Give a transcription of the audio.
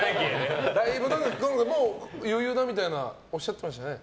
もう余裕だみたいなおっしゃってましたね。